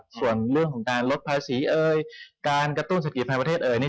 ส่วนเรื่องของการลดภาษีเอ่ยการกระตุ้นเศรษฐกิจภายประเทศเอ่ย